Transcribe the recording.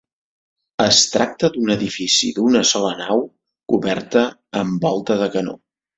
Es tracta d'un edifici d'una sola nau coberta amb volta de canó.